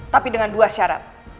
tapi dengan dua syarat